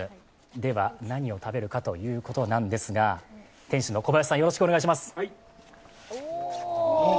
では、何を食べるかということなんですが、店主の小林さん、よろしくお願いします。